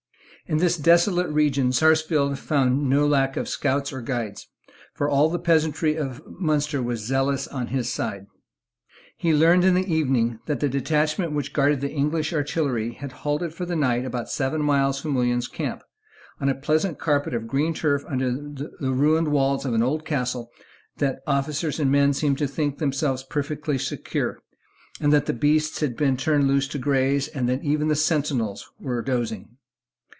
In this desolate region Sarsfield found no lack of scouts or of guides; for all the peasantry of Munster were zealous on his side. He learned in the evening that the detachment which guarded the English artillery had halted for the night about seven miles from William's camp, on a pleasant carpet of green turf under the ruined walls of an old castle that officers and men seemed to think themselves perfectly secure; that the beasts had been turned loose to graze, and that even the sentinels were dozing.